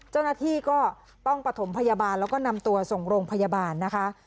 เจ้าหน้าที่ก็ต้องประถมพยาบาลแล้วก็นำตัวส่งโรงพยาบาลนะคะ